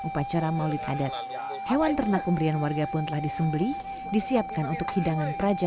upacara maulid adat hewan ternak pemberian warga pun telah disembeli disiapkan untuk hidangan praja